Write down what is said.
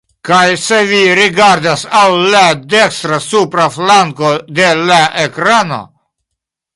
Kaj se vi rigardas al la dekstra supra flanko de la ekrano…